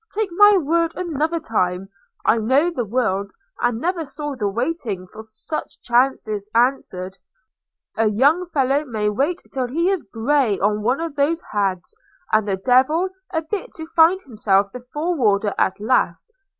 – Take my word another time. I know the world, and never saw the waiting for such chances answered – A young fellow may wait till he is grey on one of those hags, and the devil a bit to find himself the forwarder at last.